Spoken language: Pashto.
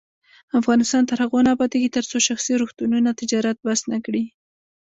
افغانستان تر هغو نه ابادیږي، ترڅو شخصي روغتونونه تجارت بس نکړي.